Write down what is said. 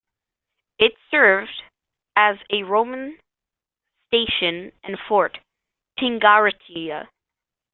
It served as a Roman station and fort, Tingartia.